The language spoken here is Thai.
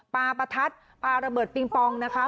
ปลาปะทัดปลาระเบิดปิ๊งปอง